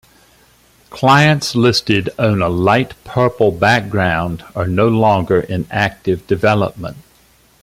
Clients listed on a light purple background are no longer in active development.